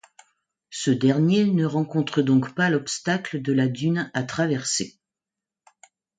Ce dernier ne rencontre donc pas l'obstacle de la dune à traverser.